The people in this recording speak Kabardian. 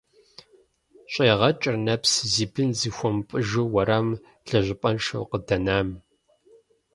ЩӀегъэкӀыр нэпс зи бын зыхуэмыпӀыжу уэрамым лэжьапӀэншэу къыдэнам…